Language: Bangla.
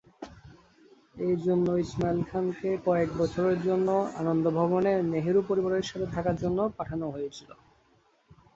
এজন্যে ইসমাইল খানকে কয়েক বছরের জন্য আনন্দ ভবনে নেহেরু পরিবারের সাথে থাকার জন্য পাঠানো হয়েছিল।